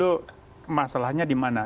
pertamina dulu masalahnya di mana